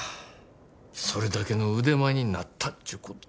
それだけの腕前になったちゅうこっちゃ。